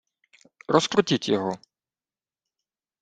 — Розкрутіть його.